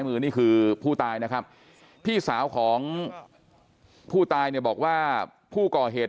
มือนี่คือผู้ตายนะครับพี่สาวของผู้ตายเนี่ยบอกว่าผู้ก่อเหตุ